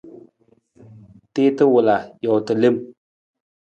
Tiita wala, joota lem.